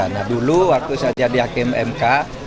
nah dulu waktu saya jadi hakim mk